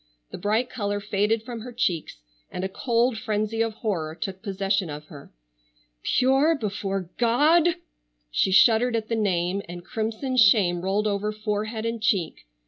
The bright color faded from her cheeks, and a cold frenzy of horror took possession of her. "Pure before God!" She shuddered at the name, and crimson shame rolled over forehead and cheek.